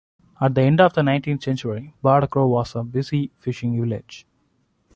At the end of the nineteenth century, Badachro was a busy fishing village.